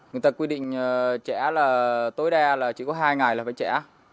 người ta quy định trẻ là tối đa là chỉ có hai ngày là phải trẻ